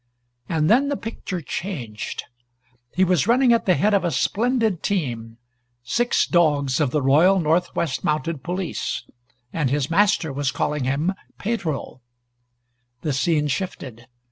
And then the picture changed. He was running at the head of a splendid team six dogs of the Royal Northwest Mounted Police and his master was calling him Pedro! The scene shifted.